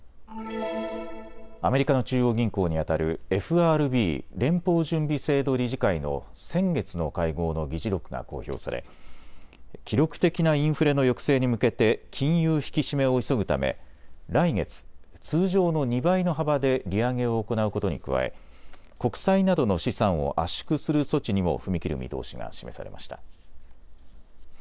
アメリカの中央銀行にあたるＦＲＢ・連邦準備制度理事会の先月の会合の議事録が公表され記録的なインフレの抑制に向けて金融引き締めを急ぐため来月、通常の２倍の幅で利上げを行うことに加え国債などの資産を圧縮する措置にも踏み切る見通しが示されました。